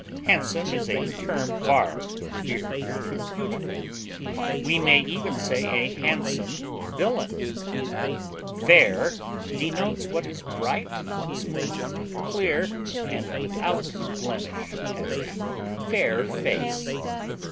Handsome is a term far inferior to beautiful; we may even say a handsome villain. Fair denotes what is bright, smooth, clear, and without blemish; as, a fair face.